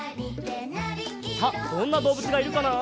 さあどんなどうぶつがいるかな？